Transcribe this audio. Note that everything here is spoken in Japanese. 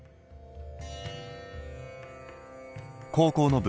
高校の部。